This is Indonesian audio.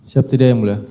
siap tidak ya mbak